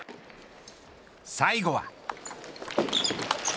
最後は。